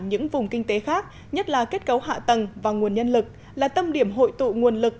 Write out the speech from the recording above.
những vùng kinh tế khác nhất là kết cấu hạ tầng và nguồn nhân lực là tâm điểm hội tụ nguồn lực